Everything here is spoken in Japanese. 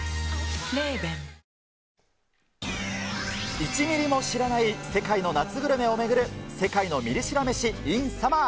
１ミリも知らない世界の夏グルメを巡る、世界のミリ知ら飯ｉｎサマー。